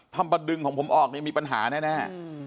ทำมาดึงของผมออกมีปัญหาแน่